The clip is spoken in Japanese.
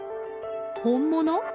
本物？